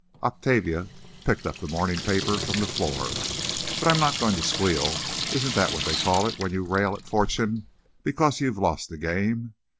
Octavia picked up the morning paper from the floor. "But I'm not going to 'squeal'—isn't that what they call it when you rail at Fortune because you've, lost the game?"